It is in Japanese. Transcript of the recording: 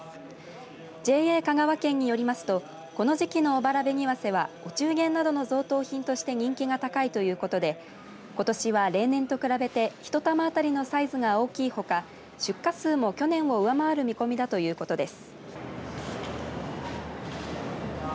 ＪＡ香川県によりますとこの時期の小原紅早生はお中元などの贈答品として人気が高いということでことしは例年と比べて１玉当たりのサイズが大きいほか出荷数も去年を上回る見込みだということです。